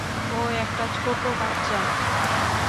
ও একটা ছোট বাচ্ছা।